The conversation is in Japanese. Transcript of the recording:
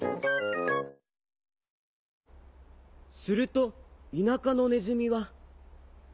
すると田舎のねずみは。